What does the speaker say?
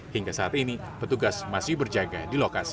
hingga saat ini petugas masih berjaga di lokasi